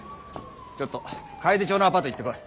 ちょっとかえで町のアパート行ってこい。